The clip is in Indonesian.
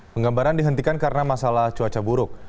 penggambaran dihentikan karena masalah cuaca buruk